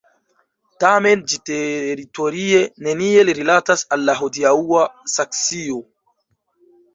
Tamen ĝi teritorie neniel rilatas al la hodiaŭa Saksio.